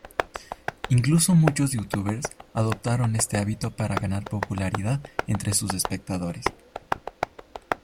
Incluso muchos youtubers adoptaron este hábito para ganar popularidad entre sus espectadores.